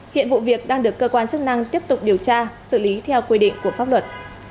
hiện vụ việc đang được cơ quan chức năng tiếp tục điều tra xử lý theo quy định của pháp luật